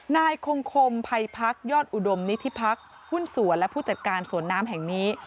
นายคงคมภัยพักยอดอุดมนิธิพักษ์หุ้นสวนและผู้จัดการสวนน้ำแห่งนี้